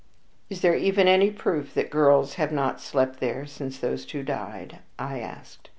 "Is there even any proof that girls have not slept there since those two died?" I asked.